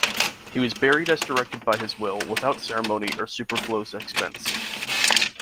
He was buried as directed by his will "without ceremony or superfluous expense".